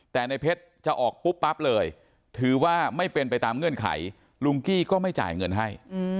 แต่ในเพชรจะออกปุ๊บปั๊บเลยถือว่าไม่เป็นไปตามเงื่อนไขลุงกี้ก็ไม่จ่ายเงินให้